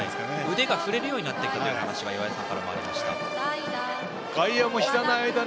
腕が振れるようになってきたという話が岩井さんからありました。